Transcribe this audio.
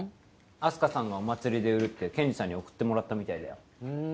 あす花さんがお祭りで売るってケンジさんに送ってもらったみたいだよ